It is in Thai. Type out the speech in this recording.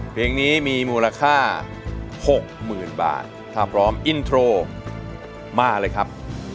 เพลงนี้มีมูลค่า๖๐๐๐บาทถ้าพร้อมอินโทรมาเลยครับ